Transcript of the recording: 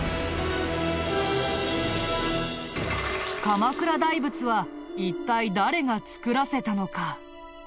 鎌倉大仏は一体誰が造らせたのか？